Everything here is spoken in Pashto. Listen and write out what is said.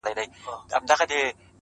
چي ژوندی وي د سړي غوندي به ښوري؛